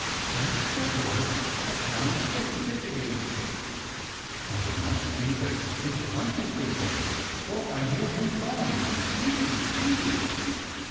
"That's the voice of Tommy Tit the Chickadee, and it must be that his wife is with him, for I hear him calling 'Phoebe! Phoebe!'